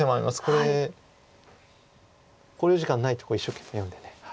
これ考慮時間がないとこ一生懸命読んで。